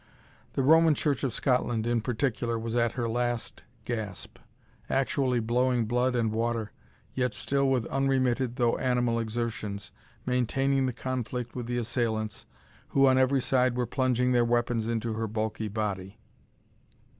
The Roman Church of Scotland, in particular, was at her last gasp, actually blowing blood and water, yet still with unremitted, though animal exertions, maintaining the conflict with the assailants, who on every side were plunging their weapons into her bulky body.